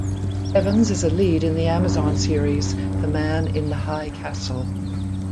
Evans is a lead in the Amazon series "The Man in the High Castle".